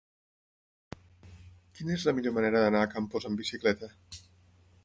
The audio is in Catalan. Quina és la millor manera d'anar a Campos amb bicicleta?